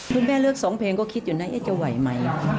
คุณแม่เลือกสองเพลงก็คิดอยู่นะจะไหวไหม